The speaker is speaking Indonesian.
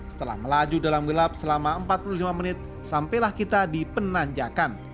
setelah melaju dalam gelap selama empat puluh lima menit sampailah kita di penanjakan